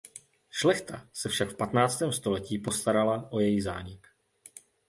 Šlechta se však v patnáctém století postarala o její zánik.